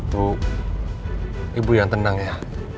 bu ibu yang tenang ya